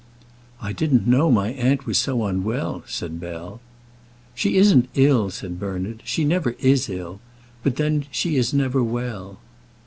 "I didn't know my aunt was so unwell," said Bell. "She isn't ill," said Bernard. "She never is ill; but then she is never well."